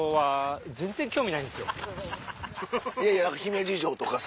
いやいや姫路城とかさ。